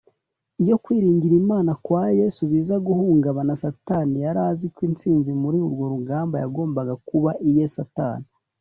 Iyo kwiringira Imana kwa Yesu biza guhungabana, Satani yari aziko intsinzi muri urwo rugamba yagombaga kuba iye (Satani)